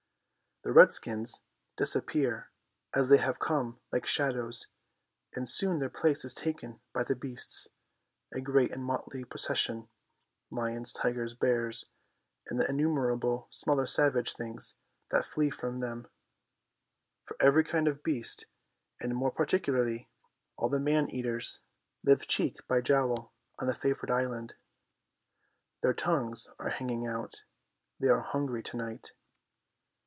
The redskins disappear as they have come like shadows, and soon their place is taken by the beasts, a great and motley procession: lions, tigers, bears, and the innumerable smaller savage things that flee from them, for every kind of beast, and, more particularly, all the man eaters, live cheek by jowl on the favoured island. Their tongues are hanging out, they are hungry to night.